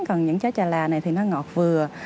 còn những trái trà lạ này thì nó ngọt vừa